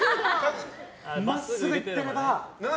真っすぐいってれば。